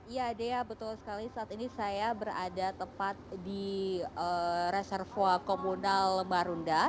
ya dea betul sekali saat ini saya berada tepat di reservo komunal marunda